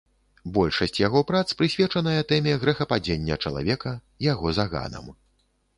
Большасць яго прац прысвечаная тэме грэхападзення чалавека, яго заганам.